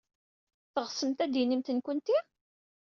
Teɣsemt ad d-tinimt nekkenti?